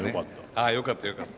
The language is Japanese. あよかったよかった。